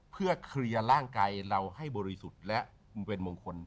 เพื่อเคลียร์ร่างกายเราให้บริสุทธิ์และเป็นมงคล